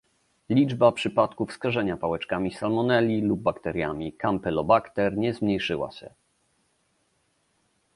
Liczba przypadków skażenia pałeczkami salmonelli lub bakteriami Campylobacter nie zmniejszyła się